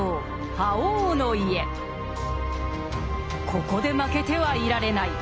ここで負けてはいられない。